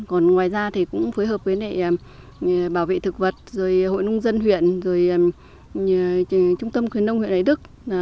còn ngoài ra thì cũng phối hợp với bảo vệ thực vật rồi hội nông dân huyện rồi trung tâm khuyến nông huyện hải đức